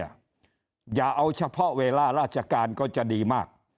อย่าเอาเฉพาะเวลาราชการก็จะดีมาก